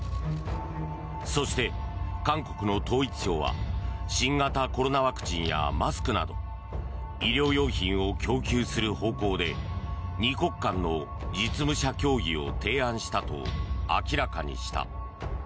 そして、韓国の統一省は新型コロナワクチンやマスクなど医療用品を供給する方向で２国間の実務者協議を提案したと明らかにした。